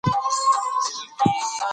پښتو غږول زموږ د کلتور لپاره مهم دی.